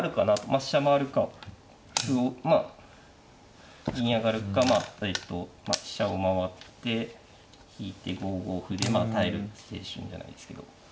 まあ飛車回るか歩をまあ銀上がるかまあえっと飛車を回って引いて５五歩でまあ耐える手順じゃないですけど。